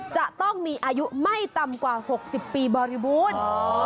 จะต้องมีอายุไม่ต่ำกว่า๖๐ปีบริบูรณ์